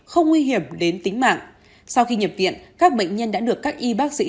không nguy hiểm đến tính mạng sau khi nhập viện các bệnh nhân đã được các y bác sĩ